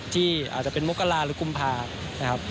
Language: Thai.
ที่อาจจะเป็นมกราหรือกุมภา